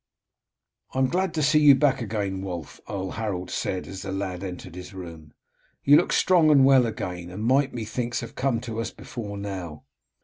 "I am glad to see you back again, Wulf," Earl Harold said as the lad entered his room. "You look strong and well again, and might, methinks, have come to us before now."